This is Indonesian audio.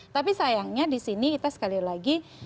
tapi sayangnya disini kita sekali lagi